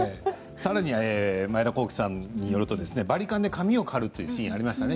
さらに前田航基さんによるとバリカンで髪を刈るというシーンがありましたね